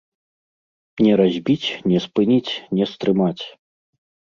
Не разбіць, не спыніць, не стрымаць!